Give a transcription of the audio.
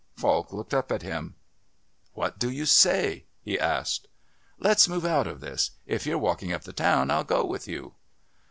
Falk looked up at him. "What do you say?" he asked. "Let's move out of this. If you're walking up the town I'll go with you."